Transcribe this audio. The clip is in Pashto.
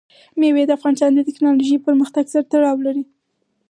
مېوې د افغانستان د تکنالوژۍ پرمختګ سره تړاو لري.